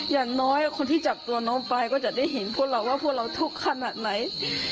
อย่างน้อยคนที่จับตัวน้องไปก็จะได้เห็นพวกเราว่าพวกเราทุกข์ขนาดไหน